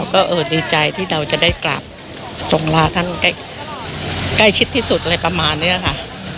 ก็ดีใจที่เราจะได้กราบทรงลาท่านใกล้ชิดที่สุดอะไรประมาณนี้ค่ะ